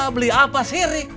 beli apa sirik